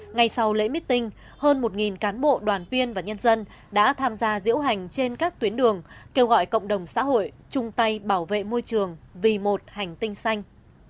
ngay sau lễ meeting hơn một cán bộ đoàn viên và nhân dân đã tham gia diễu hành trên các tuyến đường kêu gọi cộng đồng xã hội chung tay bảo vệ môi trường vì một hành tinh xanh